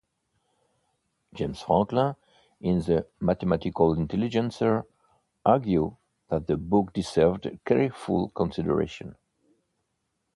James Franklin in the "Mathematical Intelligencer" argued that the book deserved careful consideration.